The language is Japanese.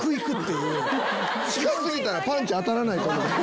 近過ぎたらパンチ当たらない。